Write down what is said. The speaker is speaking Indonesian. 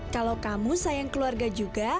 kalau kamu sayang keluarga juga